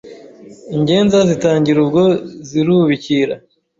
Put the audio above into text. Ingenza zitangira ubwo zirubikira.